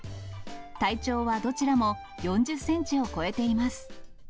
体長はどちらも４０センチを超えています。